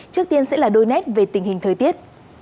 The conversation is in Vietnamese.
trước tiên sẽ là đôi nét về tình hình thời tiết